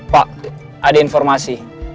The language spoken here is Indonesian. pak ada informasi